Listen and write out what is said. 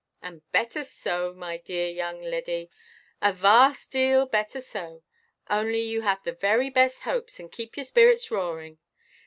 "And better so, my dear young leddy, a vast deal better so. Only you have the very best hopes, and keep your spirits roaring.